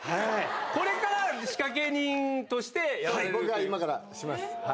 これから仕掛け人としてやられる僕が今からします。